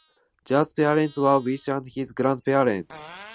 Judge's parents were Irish, and his grandparents came from Tipperary.